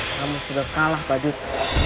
kamu sudah kalah badut